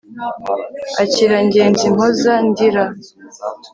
akira ngenzi impoza ndira